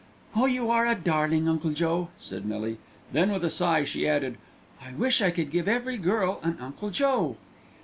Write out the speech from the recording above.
"Oh, you are a darling, Uncle Joe!" said Millie. Then with a sigh she added, "I wish I could give every girl an Uncle Joe."